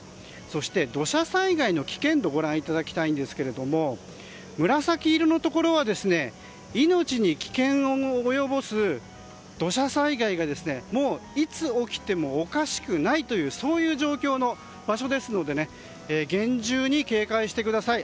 そして土砂災害の危険度をご覧いただきたいんですが紫色のところは命に危険を及ぼす土砂災害がいつ起きてもおかしくないというそういう状況の場所ですので厳重に警戒してください。